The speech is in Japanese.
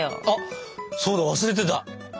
あっそうだ忘れてた。